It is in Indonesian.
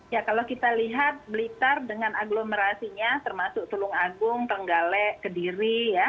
ya kalau kita lihat blitar dengan aglomerasinya termasuk tulung agung trenggale kediri ya